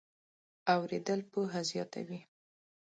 اورېدل پوهه زیاتوي.